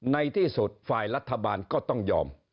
ในที่สุดฝ่ายรัฐบาลก็ต้องยอม